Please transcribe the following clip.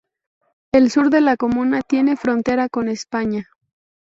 El sur de la comuna tiene frontera con España.